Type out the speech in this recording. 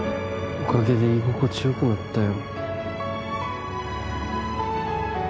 おかげで居心地よくなったよ